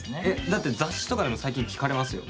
だって雑誌とかでも最近聞かれますよ。